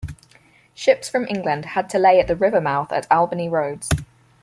Ships from England had to lay at the river mouth at Albany Roads.